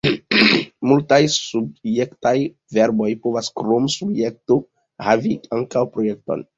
Multaj subjektaj verboj povas krom subjekto havi ankaŭ objekton.